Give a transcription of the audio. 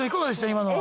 今のは。